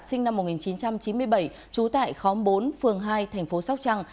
sinh năm một nghìn chín trăm chín mươi bảy trú tại khóm bốn phường hai thành phố sóc trăng